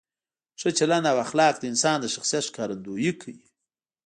ښه چلند او اخلاق د انسان د شخصیت ښکارندویي کوي.